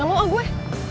gak mau ah gue